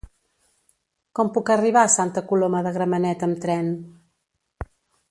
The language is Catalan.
Com puc arribar a Santa Coloma de Gramenet amb tren?